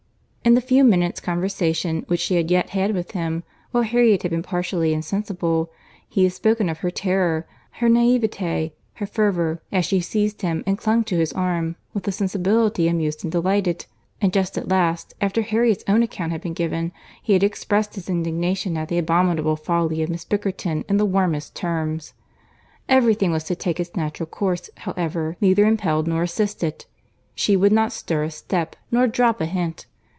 In the few minutes' conversation which she had yet had with him, while Harriet had been partially insensible, he had spoken of her terror, her naïveté, her fervour as she seized and clung to his arm, with a sensibility amused and delighted; and just at last, after Harriet's own account had been given, he had expressed his indignation at the abominable folly of Miss Bickerton in the warmest terms. Every thing was to take its natural course, however, neither impelled nor assisted. She would not stir a step, nor drop a hint.